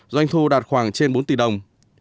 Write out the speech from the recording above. doanh thu đạt khoảng trên bốn tỷ đồng